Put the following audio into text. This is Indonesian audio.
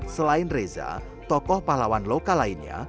selain reza tokoh pahlawan lokal lainnya